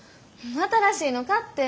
新しいの買って。